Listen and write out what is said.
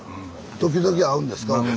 時々会うんですか？